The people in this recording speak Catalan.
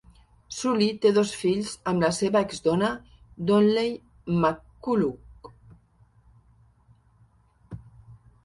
Suli té dos fills amb la seva exdona Donyell McCullough.